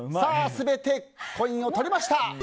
全てコインを取りました。